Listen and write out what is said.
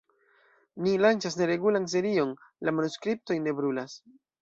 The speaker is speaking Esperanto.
Ni lanĉas neregulan serion La manuskriptoj ne brulas.